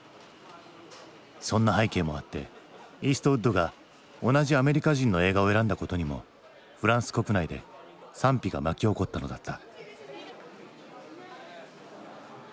そんな背景もあってイーストウッドが同じアメリカ人の映画を選んだことにもフランス国内で賛否が巻き起こったのだった。